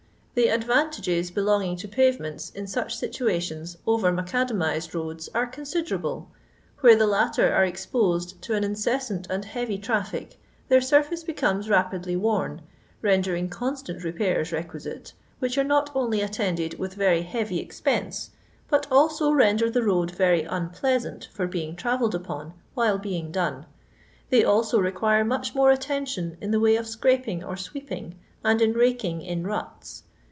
The advantages belonging to pave ments in such situations over macadamised roads are considerable ; where the latter are exposed to an incessant and heavy traffic, their suifrwe be comes rapidly worn, rendering constant repairs requisite, whkh ace not only attended with very heavy expense, but also render the road veiy unpleasant fior being travellod upon while being done; they also require rouoh more attention in the way of soaping or sweepmg, and in raking in ruts.